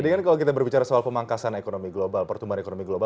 jadi kan kalau kita berbicara soal pemangkasan ekonomi global pertumbuhan ekonomi global